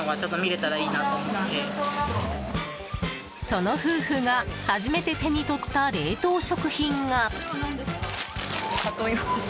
その夫婦が初めて手に取った冷凍食品が。